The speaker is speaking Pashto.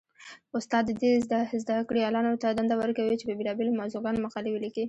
استاد دې زده کړيالانو ته دنده ورکړي؛ چې په بېلابېلو موضوعګانو مقالې وليکي.